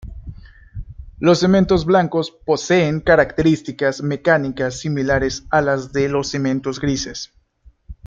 Los cementos blancos poseen características mecánicas similares a las de los cementos grises.